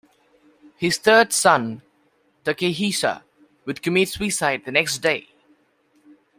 His third son Takehisa would commit suicide the next day.